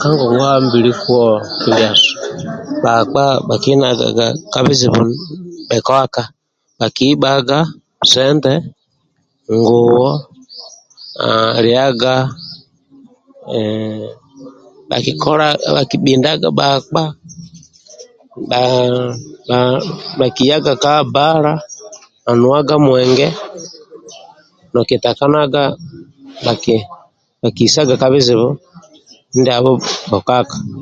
Kangongwabili kuwo ndyasu bakpa bhakye bhisaga ka bizibu bhokaka bha kihibhaga sente ngoye lyaga bhakibhundaga bakpa bhakiyaga ka Bala bhanuwa mwenge okitakanaga bhakihisaga ka bhizibhu ndyabho bhokaka